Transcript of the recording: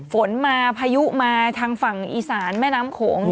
ฝนมาพายุมาทางฝั่งอีสานแม่น้ำโขง